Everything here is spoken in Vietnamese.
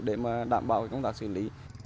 để đảm bảo công tác xử lý